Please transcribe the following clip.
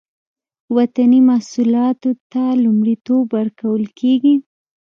وطني محصولاتو ته لومړیتوب ورکول کیږي